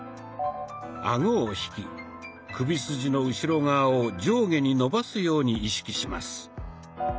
アゴを引き首筋の後ろ側を上下に伸ばすように意識します。